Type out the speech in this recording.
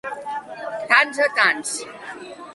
Tants a tants.